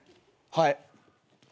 はい。